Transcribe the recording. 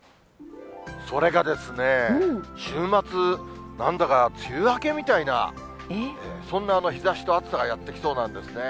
それがですね、週末、なんだか梅雨明けみたいな、そんな日ざしと暑さがやって来そうなんですね。